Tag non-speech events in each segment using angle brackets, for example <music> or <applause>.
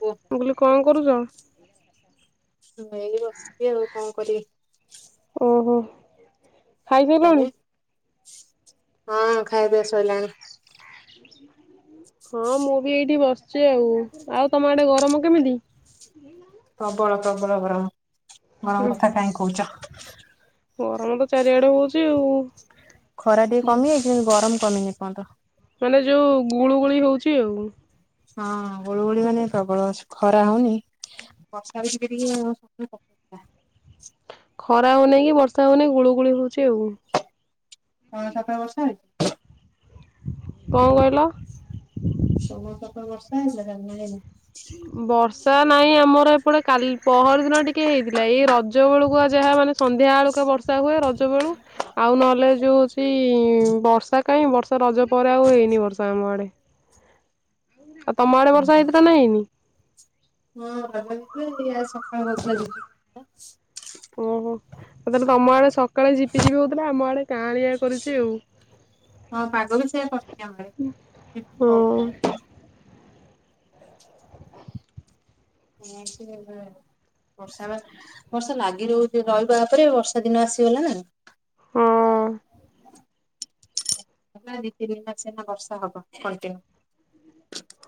ଗୋ ମୁଁ କହିଲି କଣ କରୁଛ? ମୁଁ ଏଇ ବସଛି ଆଉ କଣ କରିବି। ଓହୋ ତମେ ଖାଇସାରିଲଣି? ଏ ହଁ ଖାଇବା ପିଇବା ଶୋଇଲାଣି ହଁ ମୁଁ ବି ଏଇଠି ବସି ଛି ଆଉ ଆଉ ତମ ଆଡ଼େ ଗରମ କେମିତି? ପ୍ରବଳ ପ୍ରବଳ ଗରମ ହୁଁ। ଗରମ କଥା କାହିଁ କହୁଛ। ଗରମ ତ ଚାରିଆଡେ ହଉଛି ଆଉ ଖରା ଟିକେ କମିଯାଇଛି କିନ୍ତୁ ଗରମ କମିନି ଏପଯନ୍ତ ମାନେ ଯୋଉ ଗୁଳୁ ଗୁଳି ହଉଛି ଆଉ ହଁ ହୁଳୁ ହୁଳି ମାନେ ହୁଁ। ପ୍ରବଳ ଆସୁ ଖରା ହଉନି ବର୍ଷା ବିି ଟିକେ ଟିକେ ପ ଖରା ହଉନାହି କି ବର୍ଷା ହଉନହିଁ ଗୁଳୁଗୁଳି ହଉଛି ଆଉ ହଁ ସାତ ବର୍ଷ ହେଇ କଣ କହିଲ? ସମ ସପ ବର୍ଷା ହେଲା ସମି଼ଳନି ବର୍ଷା ନହିଁ ଆମର ଏପଟେ କାଲି ପହର ଦିନ ଟିକେ ହେଇଥିଲା ଏଇ ରଜ ରଜ ବେଳୁକୁ ଆ ଯାହା ମାନେ ସନ୍ଧ୍ୟା ବେଳକୁ ବର୍ଷା ହୁଏ ରଜ ବେଳୁ ଆଉ ନହେଲେ ଯଉ ସେଇ ବର୍ଷା କାହିଁ ବର୍ଷା ରଜ ପରେ ଆଉ ହେଇନି ବର୍ଷା ଆମ ଆଡ଼େ ତମ ଆଡେ ବଷା ହେଇଥିଲା ନାଁ ହେଇନି ହଁ ଭଲକି ଟିକେ ସକାଳ <unintelligible> ଯ ଓହୋ ତାତହେଲେ ତମ ଆଡେ ସକାଳେ ଝିପଝିପି ହଉଥିଲା ଆମ ଆଡେ କାଆଳିଆ କରୁଛି ଆଉ ହଁ ପାଗ ବି ସେଇଆ କରିଛି ଆମ ଆଡେ ଝିପ୍ ଝିପ୍ ହଁ ହଉଥିଲା। ନା ଆସିବ ଖବର ବର୍ଷା ବା ବର୍ଷା ଲାଗି ରହୁଛି ରହିବା ପରେ ବର୍ଷା ଦିନ ଆସିଗଲା ନା ହଁ ପୁରା ଦି ତିନି ମାସନା ବର୍ଷା ହବ କଣ୍ଟିନ୍ୟୁ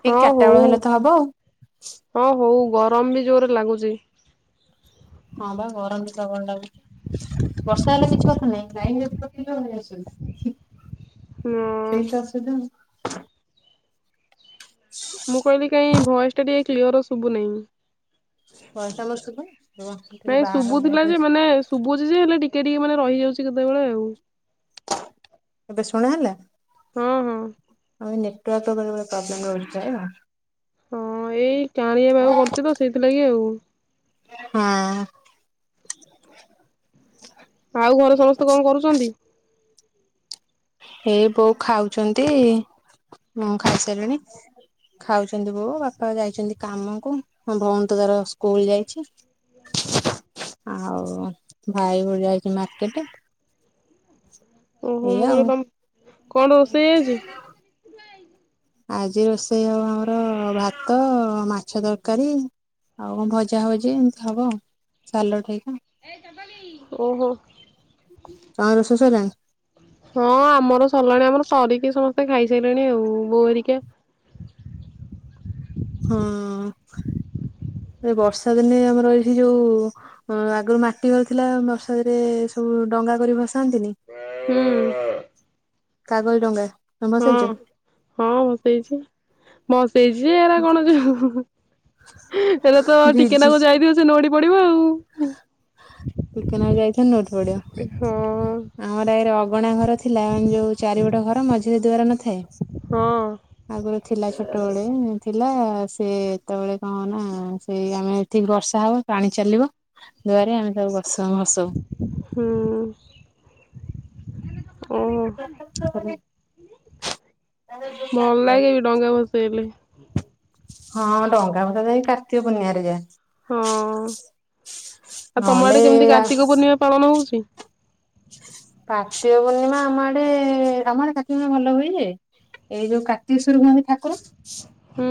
ଠିକ ହଁ ଚାରିଟା ହଉ ବେଳ ହେଲେ ତ ହବ ଆଉ। ହଁ ହଉ ଗରମ ବି ଜୋରେ ଲାଗୁଛି ହଁ ବା ଗରମ ବି ପ୍ରବଳ ଲାଗୁଛି ବର୍ଷା ହେଲେ କିଛି କଥା ନାହିଁ ଗାଈ ଗୁରା ସ <unintelligible> ହଁ ସେଇଟା ଆସ <inaudible> ମୁଁ କହିଲି କାହିଁ ଭଏସ ଟା ଟିକେ କ୍ଲିୟର ସୁବୁ ନାହିଁ ପଇସା ମାସ ଥିବ <unintelligible> ତ ନାଇଁ ଶୁଭୁଥିଲା ବାହାର ଯେ ମାନେ ଶୁଭୁଛି ଯେ ହେଲେ ଟିକେ ଟିକେ ମାନେ ରହିଯାଉଛି କେତେବେଳେ ଆଉ ଏବେ ଶୁଣା ହେଲା? ହଁ ହଁ ଆମ ଏ ନେଟୱାର୍କ ଟା ବେଳେ ବେଳେ ପ୍ରୋବ୍ଲେମ ରହୁଚି <unintelligible> ହଁ ଏଇ କାଳିଆ ବାଗ କରୁଚି ତ ସେଇଥିଲାଗି ଆଉ। ହଁ। ଆଉ ଘରେ ସମସ୍ତେ କଣ କରୁଚନ୍ତି? ଏଇ ବୋଉ ଖାଉଚନ୍ତି। ମୁଁ ଖାଇସାରିଲିଣି। ଖାଉଛନ୍ତି ବୋଉ ବାପା ଯାଇଛନ୍ତି କାମକୁ ମୋ ଭଉନୀ ତାର ସ୍କୁଲ ଯାଇଚି। ଆଉ ଭାଇ <unintelligible> ଯାଇଚି ମାର୍କେଟେ। ଓହୋ ମୁଁ ଆଉ। କହିଲି ତମ କଣ ରୋଷେଇ ଆଜି? ଆଜି ରୋଷେଇ ହବ ଆମର ଭାତ ମାଛ ତରକାରୀ ଆଉ କଣ ଭଜା ଭଜି ଏମତି ହବ ସାଲଟ ହେଇକା। ଓହୋ। ତମ ରୋଷେଇ ସଇଲାଣି? ହଁ ଆମର ସରିଲାଣି ଆମର ସରିକି ସମସ୍ତେ ଖାଇସାରିଲେଣି ଆଉ ହେରିକା। ହଁ ଏ ବର୍ଷା ଦିନେ ଆମର ଏଇଠି ଯୋଉ ଅ ଆଗରୁ ମାଟି ଘର ଥିଲା ବର୍ଷାଦ ରେ ସବୁ ଡଙ୍ଗା କରି ଭସାନ୍ତିନି। ହୁଁ। କାଗଜ ଡ଼ଙ୍ଗା। ହଁ ହଁ ଭସେଇଚି, ବସେଇଚି ଏରା କଣ ଯୋ ଏରା ତ ଭିଜିଛି ଟିକେନାଗୁ ଯାଇଥିବ ସେ ନୋଉଟି ପଡିବ ଆଉ। ଟିକେନାଗୁ ଯାଇଥିବ ନୋଉଟି ହଁ ପଡିବ। ଆମର ଏରେ ଅଗଣା ଘର ଥିଲା ଯୋଉ ଚାରି ପଟ ଘର ମଝିରେ ଦୁଆର ନଥାଏ? ହଁ ଆଗୁରୁ ଥିଲା ଛୋଟବେଳେ, ଥିଲା ସେ ସେତେବେଳେ କଣ ହବ ନା ସେଇ ଆମେ ଠିକ ବର୍ଷା ହବ ପାଣି ଚାଲିବ। ଦୁଆରେ ଆମେ ସବୁ ବସଉଁ ଭସଉଁ। ହୁଁ। ଉଁ। <unintelligible> ଭଲ ଲାଗେ ବି ଡଙ୍ଗା ଭସେଇଲେ। ହଁ ଡଙ୍ଗା ଭଷା ଯାଇ କାର୍ତିକ ପୁର୍ଣିମାରେ ଯା। ହଁ ଆଉ ତମ ନହେଲେ ଆଡେ କେମିତି କାର୍ତ୍ତିକ ପୂର୍ଣ୍ଣିମା ପାଳନ ହଉଚି। କାର୍ତିକ ପୂର୍ଣ୍ଣିମା ଆମ ଆଡେ ଆମ ଆଡେ କାର୍ତ୍ତିକ ପୂର୍ଣ୍ଣିମା ଭଲ ହୁଏ ଯେ। ଏଇ ଯୋଉ କାର୍ତ୍ତିକେଶ୍ୱର ହୁଅନ୍ତି ଠାକୁର ହୁଁ।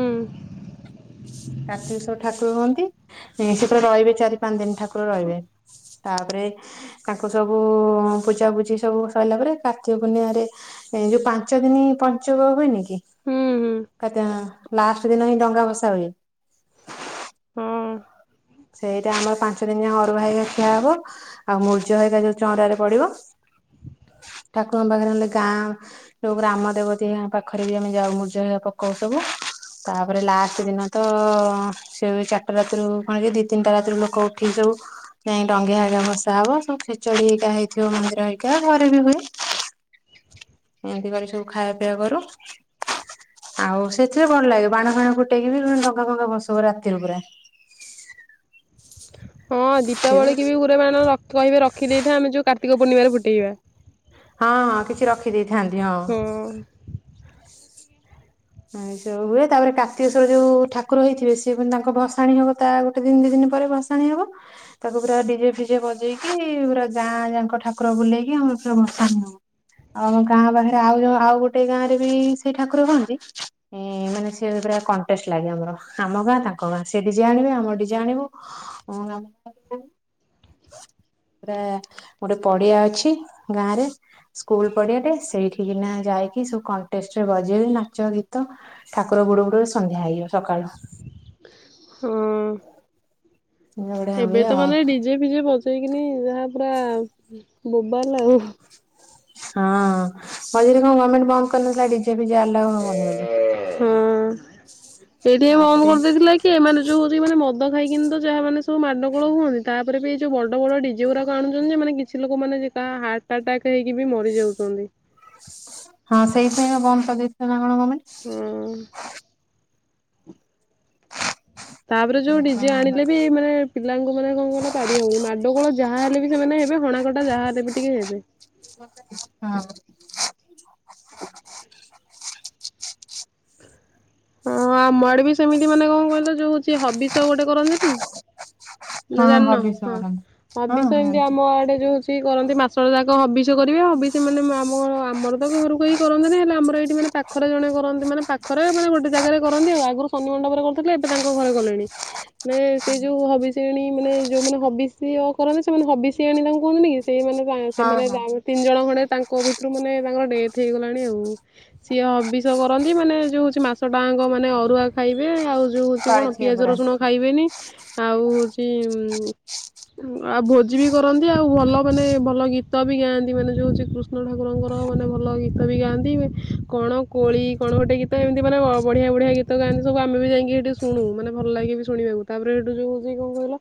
କାର୍ତ୍ତିକଶ୍ୱର ଠାକୁର ହୁଅନ୍ତି ସେ ପୁରା ରହିବେ ଚାରି ପାଞ୍ଚ ଦିନ ଠାକୁର ରହିବେ। ତାପରେ ତାଙ୍କୁ ସବୁ ପୂଜାପୂଜି ସବୁ ସଇଲା ପରେ କାର୍ତ୍ତିକ ପୂର୍ଣ୍ଣିମାରେ ସେ ଯୋଉ ପାଞ୍ଚ ଦିନି ପଞ୍ଚୁକ ହୁଏନି କି? ହୁଁ ହୁଁ <unintelligible> ଲାଷ୍ଟ ଦିନ ହିଁ ଡଙ୍ଗା ଭସା ହୁଏ। ହୁଁ। ସେଇଟା ଆମର ପାଞ୍ଚ ଦିନ ଯାଏ ଅରୁଆ ହେଇକା ଖିଆ ହବ ଆଉ ମୂର୍ଜ ହେଇକା ଯୋଉ ଚଉଁରାରେ ପଡିବ। ଠକୁରଙ୍କ ପାଖରେ ନଲେ ଗାଁ ଯୋଉ ଗ୍ରାମ ଦେବତୀ ପାଖରେ ବି ଆମେ ଯାଉ ମୂର୍ଜ ହେଇ ପକଉ ସବୁ। ତାପରେ ଲାଷ୍ଟ ଦିନ ତ ସେ ଚାରିଟା ରାତିରୁ କଣ ଦି ତିନିଟା ରାତିରୁ ଲୋକ ଉଠିକି ସବୁ ଯାଇ ଡଙ୍ଗି ଆ ଭସା ହବ ସବୁ ଖେଚଡି ହେଇକା ହେଇଥିବ ମନ୍ଦିର ହେଇକା ଘରେ ବି ହୁଏ। ଏମିତି କରି ସବୁ ଖାଇବା ପିଆ କରୁ। ଆଉ ସେଥିରେ ଭଲ ଲାଗେ ବାଣ ଫାଣ ଫୁଟେଇକି ବି ଡଙ୍ଗା ଫଙ୍ଗା ଭସଉ ରାତିରୁ ପୁରା। ହଁ ଦୀପାବଳି କି ବି ଗୁରେ ବାଣ ରଖି କହିବେ ରଖି ଦେଇଥା ଆମେ ଯୋଉ କାର୍ତିକ ପୂର୍ଣ୍ଣିମାରେ ଫୁଟେଇବା। ହଁ ହଁ କିଛି ରଖି ଦେଇଥାନ୍ତି ହଁ। ଏମିତି ସବୁ ହୁଏ ତାପରେ କାର୍ତିକେଶ୍ଵର ଯୋଉ ଠାକୁର ହେଇଥିବେ ସେ ତାଙ୍କ ଭସାଣି ହବ ତା ଗୋଟେ ଦିନ ଦି ଦିନ ପରେ ଭସା ସାଣି ହବ। ତାକୁ ପୁରା ଡିଜେ ଫିଜେ ବଜେଇକି ପୁରା ଗାଁଆ ଯାଙ୍କ ଠାକୁର ବୁଲେଇକି ଆମର ପୁରା ଭସାଣି ହବ। ଆଉ ଆମ ଗାଁ ପାଖରେ ଆଉ ଯୋଉ ଆଉ ଗୋଟେ ଗାଁ ରେ ବି ସେଇ ଠାକୁର ହଅନ୍ତି। ଉ ମାନେ ସେ ପୁରା କଣ୍ଟେଷ୍ଟ ଲାଗେ ଆମର ଆମ ଗାଁ ତାଙ୍କ ଗାଁ ସେ ଡିଜେ ଆଣିବେ ଆମେ ଡିଜେ ଆଣିବୁ ହଁ <inaudible> ପୁରା ଗୋଟେ ପଡିଆ ଅଛି ଗାଁ ରେ। ସ୍କୁଲ ପଡିଆଟେ ସେଇଠିିକିନା ଯାଇକି ସବୁ କଣ୍ଟେଷ୍ଟରେ ବଜେଇବେ ନାଚ ଗୀ ତ ଠାକୁର ବୁଡଉ ବୁଡଉ ସନ୍ଧ୍ୟା ହେଇଯିବ ସକାଳ ହଁ ବଢିଆ ହୁଏ ଏବେ ତ ଆଉ ମାନେ ଡିଜେ ଫିଜେ ବଜେଇକିନି ଯା ଆ ପୁରା ପୁରା ବୋବାଲ ଆଉ। ହଁ ମଝିରେ କଣ ଗମେଣ୍ଟ ବନ୍ଦ କରିନଥିଲା ଡିଜେ ଫିଜେ ଆଲାଓ ହବନି ବୋଲି? ହଁ ଏଇଟା ବି ବନ୍ଦ ତାପରେ କରିଦେଇଥିଲା କି? କି ଏମାନେ ଯୋଉ ମାନେ ମଦ ଖାଇକିନି ତ ଯାହା ମାନେ ସବୁ ମାଡଗୋଳ ହୁଅନ୍ତି ତାପରେ ବି ଏଇ ଯୋଉ ବଡ ବଡ ଡି ଜେ ଉରାକ ଆଣୁଛନ୍ତି ଯେ ମାନେ କିଛି ଲୋକମାନେ ଯେ ତା ହାର୍ଟ ଆଟାକ୍ ହେଇକି ବି ମରିଯାଉଛନ୍ତି। ହଁ ସେଇପାଇଁ ଆ ବନ୍ଦ କରିଦେଇଥିଲା ନା କଣ ଗମେଣ୍ଟ। ଉଁ। ତାପରେ ଯୋଉ ଡିଜେ ସେଇଥିପାଇଁ ଆଣିଲେ ବି ମାନେ ପିଲାଙ୍କୁ ମାନେ କଣ କହିଲ ପାରି ହଉନି ମାଡଗୋଳ ଯାହା ହେଲେ ବି ସେମାନେ ହେବେ ହଣାକଟ ଟା ଯାହା ହେଲେବି ଟିକେ ହେବେ। ହଁ। ହଁ ଆମ ଆଡେ ବି ସେମିତି ମାନେ କଣ କହିଲ ଯୋଉ ହଉଛି ହବିସ ଗୋଟେ କରନ୍ତିନି ନା ହଁ ଜାଣିନ ହବିଷ ହଁ। କରନ୍ତି ହଁ ହବିଷ ଏମିତି ଜାଣିଛି ଆମ ଆଡେ ଯୋଉ ସ କରନ୍ତି ମାସ ଯାକ ହବିଷ କରିବେ ହବିଷ ମାନେ ଆମ ଆମର ସବୁ ଘରୁକୁ ଆଇ କରନ୍ତିନି ନା ଆମର ଏଇଠି ମାନେ ପାଖରେ ଜଣେ କରନ୍ତି ମାନେ ପାଖରେ ମାନେ ଗୋଟେ ଜାଗାରେ କରନ୍ତି ଆଉ ଆଗରୁ ଶନି ମଣ୍ଡପରେ କରୁଥିଲେ ଏବେ ତାଙ୍କ ଘରେ କଲେଣି। ନା ସେ ଯୋଉ ହବିସିଆଣୀ ମାନେ ଯୋଉମାନେ ହବିଷିଅ କରନ୍ତି ସେମାନେ ହବିସିିଆଣୀ ତାଙ୍କୁ କୁହନ୍ତି କି ସେଇମାନେ ଗାଁ ହଁ ସେମାନେ ହଁ ଜା ତିନି ଜଣ ଖଣ୍ଡେ ତାଙ୍କ ଭିତରୁ ମାନେ ତାଙ୍କର ଡେଥ ହେଇଗଲାଣି ଆଉ। ସିଏ ହବିଷ କରନ୍ତି ମାନେ ଯୋଉ ହଉଛି ମାସ ସଟାଙ୍କ ମାନେ ଅରୁଆ ଖାଇବେ ଆଉ ଯଉ ହଉଛି କଣ ପାଳିଥିବେ ପିଆଜ ପୁରା ରସୁଣ ଖାଇବେନି ଆଉ ହଉଛି ଆଉ ଭୋଜି ବି କରନ୍ତି ଆଉ ଭଲ ମାନେ ଭଲ ଗୀତ ବି ଗାଆନ୍ତି ମାନେ ଯୋଉ ଶ୍ରୀକୃଷ ଷ୍ଣ ଠାକୁରଙ୍କର ମାନେ ଭଲ ଗୀତ ବି ଗାଆନ୍ତି କଣ କୋଳି କଣ ଗୋଟେ ଗୀତ ଏମିତି ମାନେ ବ ବଢିଆ ବଢିଆ ଗୀତ ଗାଆନ୍ତି ସବୁ ଆମେ ବି ଯାଇକି ଏଠି ଶୁଣୁ ମାନେ ଭଲ ଲାଗେ ବି ଶୁଣିବାକୁ ତାପରେ ଏଠୁ ଯୋଉ ହେଉଛି କଣ କହିଲ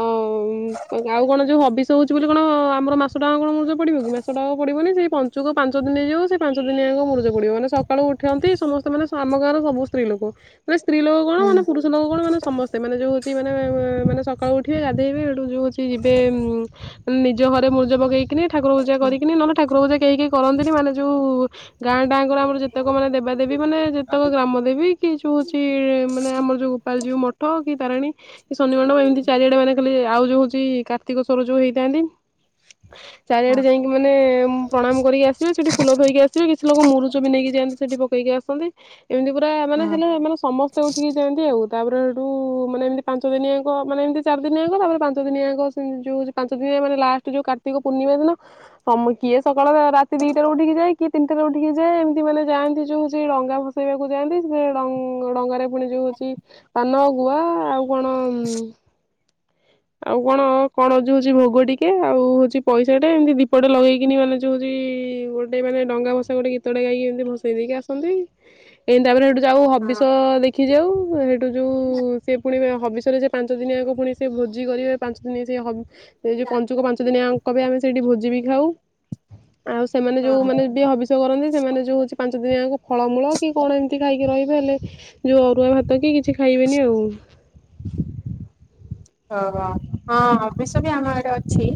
ଅମ୍ ଆଉ କଣ ଯୋଉ ହବିଷ ହଉଛି ବୋଲି କଣ ଆମର ମାସ ଟାଙ୍କ ମୁରୁଜ ପଡିବ କି ମାସ ଟାକ ପଡିବନି ସେଇ ପ ପଞ୍ଚୁକ ପାଞ୍ଚ ଦିନ ହେଇଯିବ ସେ ପାଞ୍ଚ ଦିନ ଯାକ ମୂରୁଜ ପଡିବ ନେ ସକାଳୁ ଉଠନ୍ତି ସମସ୍ତେ ମାନେ ଆମ ଗାଁର ସବୁ ସ୍ତ୍ରୀ ଲୋକ ସ୍ତ୍ରୀ ଲୋକ କଣ ହୁଁ ମାନେ ପୁରୁଷ ପୁରୁଷଲୋକ କଣ ମାନେ ସମସ୍ତେ ମାନେ ଯେଉଁ ହେଉଛି ମାନେ ମାନେ ସକାଳୁ ଉଠିବେ ଗାଧେଇବେ ଏଠୁ ଯଉଁ ହେଉଛି ଯିବେ ଉମ୍ ନିଜ ଘରେ ମୂର୍ଜ ପକେଇକିରି ଠାକୁର ପୂଜା କରିକିନି ନହେଲେ ଠାକୁର ପୂଜା କେହି କେହି କରନ୍ତିନି ମାନେ ଯୋଉ ଗାଁଆ ଟାଙ୍କର ଆମର ଯେତେକ ମାନେ ଦେବାଦେବୀ ମାନେ ଯେ ଗ୍ରାମ ଦେବୀ କି ଯୋଉ ହଉଛି ମାନେ ଆମର <unintelligible> ମଠ କି ତାରିଣୀ ଶନି ମଣ୍ଡପ ଏମିତି ଚାରିଆଡେ ମାନେ ଖାଲି ଆଉ ଯୋଉ ହଉଛି କାର୍ତ୍ତିକ ସରୁ ଯୋଉ ହେଇଥାନ୍ତି। ହଁ ଚାରିଆଡେ ଯାଇକି ମାନେ ମୁଁ ପ୍ରଣାମ କରିକି ଆସ ଯେ ସେଠି ଫୁଲ ଥୋଇକି ଆସିବେ କିଛି ଲୋକ ମୁରୁଜ ବି ନେଇକି ଯାନ୍ତି ସେଠି ପକେଇକି ଆସନ୍ତି। ଏମିତି ପୁରା ମାନେ ହଁ ହେଲେ ମାନେ ସମ ତ ଉଠିକି ଯାଆନ୍ତି ଆଉ ତାପରେ ଏଠୁ ମାନେ ଏମିତି ପାଞ୍ଚ ଦିନିଆଙ୍କ ମାନେ ଏମତି ଚାରି ଦିନିଆଙ୍କ ତାପରେ ପାଞ୍ଚ ଦିନିଆଙ୍କ ଯୋଉ ପାଞ୍ଚ ଦିନ ମାନେ ଲାଷ୍ଟ ଯୋଉ କାର୍ତ୍ତିକ ପୂର୍ଣ୍ଣିମା ଦିନ ସମ କିଏ ସକାଳର ରାତି ଦିଟାରେ ଉଠିକି ଯାଏ କିଏ ତିନିଟାରେ ଉଠିକି ଯାଏ ଏମତି ମାନେ ଯାଆନ୍ତି ଯୋଉ ଜେ ରଙ୍ଗା ଭ ଭଷେଇବାକୁ ଯାଆନ୍ତି ସେ ଡ ଡଙ୍ଗାରେ ପୁଣି ଯୋଉ ଅଛି ପାନ ଗୁଆ ଆଉ କଣ? ଆଉ କଣ କଣ ଯୋଉ ହଉଛି ଭୋଗ ଟିକେ ଆଉ ହଉଛି ପଇସାଟେ ଏମିତି ଦୀପଟେ ଲଗେଇକିନି ମାନେ ଯୋଉ ହଉଛି ଗୋ ସେଇମାନେ ଡଙ୍ଗା ଭସେଇ ଗୋଟେ ଗୀତଟେ ଗାଇକି ଏମିତି ଭସେଇ ଦେଇକି ଆସନ୍ତି। ଏମିତି ତାପରେ ଏଠୁ ଯାଉ ହବିଷ ହଁ ଦେ ଖିଯାଉ ସେଠୁ ଯଉ ସେ ପୁଣି ହବିଷରେ ଯେ ପାଞ୍ଚ ଦିନିଆକ ପୁଣି ସେ ଭୋଜି କରିବେ ପାଞ୍ଚ ଦିନି ସେ ହ ଏଇ ଯୋଉ ପଞ୍ଚୁକ ପାଞ୍ଚ ଦିନିଆଙ୍କ ବି ଆମେ ସେଇଠି ଭୋଜି ବି ଖାଉ ଆଉ। ସେମାନେ ଯେଉଁମାନେ ବି ହବିଷ କରନ୍ତି ସେମାନେ ଯଉ ହେଉଛି ପାଞ୍ଚ ଦିନିଆଙ୍କ ଫଳମୂଳ। କି କଣ ଏମିତି ଖାଇକି ରହିବେ ହେଲେ ଯୋଉ ଅରୁଆ ଭାତ କି କିଛି ଖାଇବେନି ଆଉ। ଓ ହୋ ହଁ ହବିଷ ବି ଆମ ଆଡ଼େ ଅଛି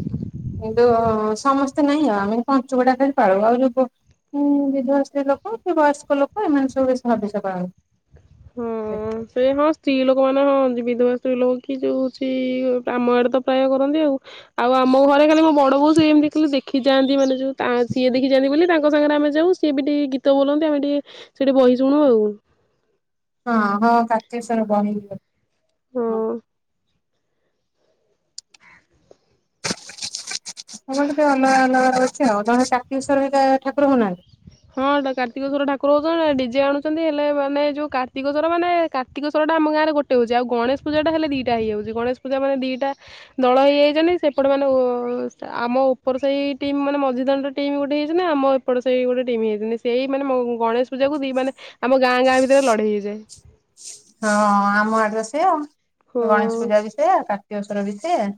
କିନ୍ତୁ ସମସ ନାଇଁ ଆଉ ଆମେ ପଞ୍ଚୁକଟା ଖାଲି ପାଳୁ ଆଉ ଯଉ ଉଁ ବିଧବା ସ୍ତ୍ରୀ ଲୋକ କି ବୟସ୍କ ଲୋକ ଏମାନେ ସବୁ ବେଶୀ ହବିଷ ପାଳନ୍ତି। ଏ ହଁ ସ୍ତ୍ରୀ ଲୋକମାନେ ହଁ ବିଧବା ସ୍ତ୍ରୀ ଲୋକ କି ଯୋଉ ହଉଛି ଆମ ଆଡ଼େ ତ ପ୍ରାୟ କରନ୍ତି ଆଉ। ଆଉ ଆମ ଘରେ ଖାଲି ମୋ ବଡ ବୋଉ ସେ ଏମିତି ଖାଲି ଦେଖି ଯାଆନ୍ତି ମାନେ ଯୋଉ ସିଏ ଦେଖି ଯାନ୍ତି ବୋଲି ତାଙ୍କ ସାଙ୍ଗରେ ଆମେ ଯାଉ। ସିଏ ବି ଟି ଗୀତ ବୋଲନ୍ତି ଆମେ ଟିକେ ସେଠି ବହି ଶୁଣୁ ଆଉ। ହଁ ହଁ କାର୍ତ୍ତିକେଶ୍ଵର ବହି ହଁ। ଆମର ଟିକେ ଅଲଗା ଅଲଗା ରହୁଛି ଆଉ ଜଣେ କାରର୍ତ୍ତିକେଶ୍ଵର ଏରିକା ଠାକୁରଙ୍କ ନାଁରେ। ହଁ ସେଟା କାର୍ତ୍ତିକେଶ୍ବର ଠାକୁର ହଉଛନ୍ତି ଡିଜେ ଆଣୁଛନ୍ତି ହେଲେ ମାନେ ଯୋଉ କାର୍ତ୍ତିକଶ୍ଵର ମାନେ କାର୍ତ୍ତିକଶ୍ଵରଟା ଆମ ଗାଁରେ ଗୋଟେ ହଉଛି। ଆଉ ଗଣେଶ ପୂଜା ହେଲେ ଦିଟା ହେଇଯାଉଛି, ଗଣେଶ ପୂଜା ମାନେ ଦିଟା ଦଳ ହେଇଯାଇଛନ୍ତି ସେପଟେ ମାନେ ଆମ ଉପର ସେହି ଟିମ୍ ମାନେ ମଝିଦାଣ୍ଡର ଟିମ୍ ଗୋଟେ ହେଇଛନ୍ତି ଆମ ପଟ ସାହି ଗୋଟେ ଟିମ୍ ହେଇଯାଇଛନ୍ତି ସେଇ ମାନେ ମ ଗଣେଶ ପୂଜାକୁ ଦି ମାନେ ଆମ ଗାଁ ଗାଁ ଭିତରେ ଲଢେଇ ହେଇଯାଏ। ହଁ ଆମ ଆଡରେ ସେଆ ଗଣେଶ ହଁ ପୂଜା ବି ସେଆ କାର୍ତ୍ତିକଶ୍ୱର ବି ସେଆ।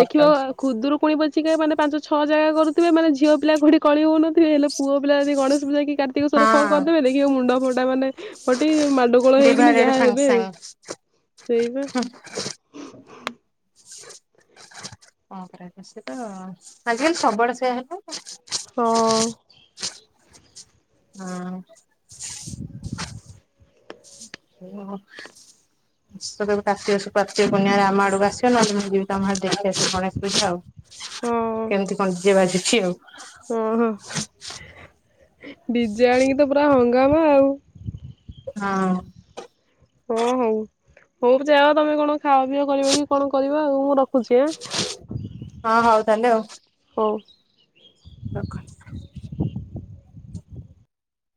ଦେଖିବ ଖୁଦୁରୁକୁଣୀ ପଛିିକେ ମାନେ ପାଞ୍ଚ ଛଅ ଜାଗା କରୁଥିବେ ମାନେ ଝିଅ ପିଲା କୋଉଠି କଳି ହଉନ ହେଲେ ପୁଅ ପିଲା ଯଦି ଗଣେଶ ପୂଜା କି କାର୍ତ୍ତିକଶ୍ଵର ଙ୍କ କରିଦେବେ ହଁ ଦେଖିବ ମୁଣ୍ଡ ଫଟା ମାନେ ଫଟେଇକି ମାଡ ଗୋଳ ହେଇକିନି ଡିଭାଇଡେଡ୍ ଯାହା ସାଙ୍ଗେ ହେବେ ସାଙ୍ଗେ ସେଇବା। <inaudible> ଆଜିକାଲି ସବୁଆଡ଼େ ସେୟା ହେଲା। ହଁ। ହଁ। କେବେହେଲେ କାର୍ତ୍ତିକ କାର୍ତ୍ତିକ ପୂର୍ଣ୍ଣିମା ରେ ଆମ ଆଡ଼ କୁ ଆସିବ ଯିବି ତମ ଆଡେ ଦେଖି ଆସିବି ଗଣେଶ ପୂଜା ଆଉ, କେମିତି କଣ ଯିବା ଛି ଆଉ? ଓହୋ ଡିଜେ ଆଣିକି ତ ପୁରା ହଙ୍ଗାମା ଆଉ। ହଁ। ହଁ <inaudible> ହଉ। ହଉ ଯାଅ ତମେ କଣ ଖାଅ ପିଅ କରିବ କି କଣ କରିବ ଆଉ ମୁଁ ରଖୁଛି ଆଁ। ହଁ ହଉ ତାହାଲେ ଆଉ। ହଉ। ରଖ।